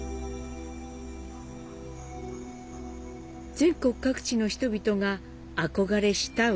全国各地の人々が憧れ慕う